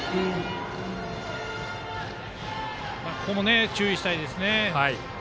ここも注意したいですね。